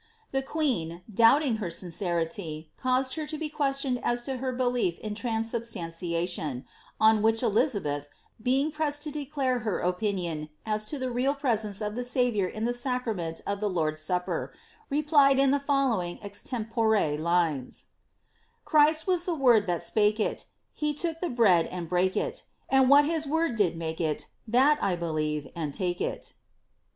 The queen, doubting her sincerity, caused hei 'Renaud and Montmorencle's Reports to the Emperor. BLIZABBTH. 83 to be qnestioDed as to her belief in transubstantiation, on which Eliza beth, being pressed to declare her opinion, as to the real presence of the SiYiour in the sacrament of the Lord's Supper, replied in the following eitempore Unea :^Christ was the word that spake it, He took the bread and brake it, And what his word did make it, That I believe, and take it."